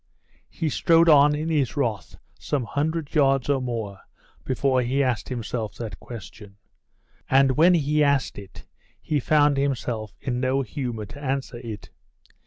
He strode on in his wrath some hundred yards or more before he asked himself that question. And when he asked it, he found himself in no humour to answer it.